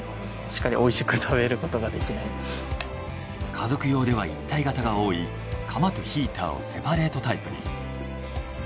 家族用では一体型が多い釜とヒーターをセパレートタイプに。